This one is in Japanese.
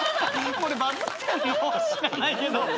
これバズってんの⁉知らないけど。